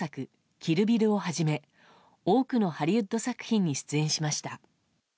「キル・ビル」を始め多くのハリウッド作品に出演しました。